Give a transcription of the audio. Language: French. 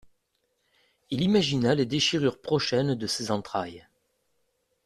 Il imagina les déchirures prochaines de ses entrailles.